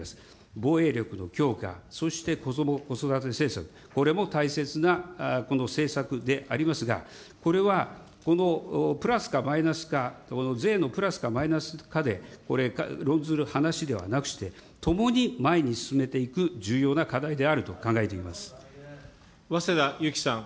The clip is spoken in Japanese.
防衛力の強化、そしてこども・子育て政策、これも大切なこの政策でありますが、これは、プラスかマイナスか、この税のプラスかマイナスかで、これ、論ずる話ではなくして、ともに前に進めていく、早稲田ゆきさん。